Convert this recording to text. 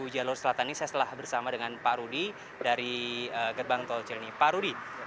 jadi untuk mengetahui seperti apa persisnya kondisi volume dan detail saya sudah beritahu di video sebelumnya